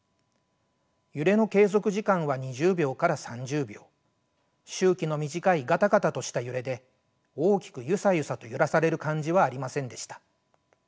揺れの継続時間は２０秒から３０秒周期の短いガタガタとした揺れで大きくユサユサと揺らされる感じはありませんでした。